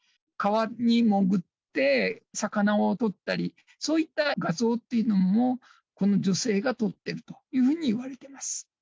川に潜って魚を取ったり、そういった画像っていうのも、この女性が撮ってるというふうにいわれてます。